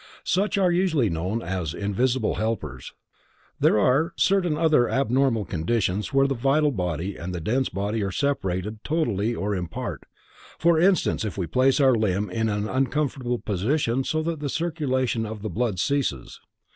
Such are usually known as Invisible Helpers. There are certain other abnormal conditions where the vital body and the dense body are separated totally or in part, for instance if we place our limb in an uncomfortable position so that circulation of the blood ceases.